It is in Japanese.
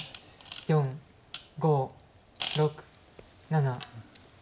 ４５６７。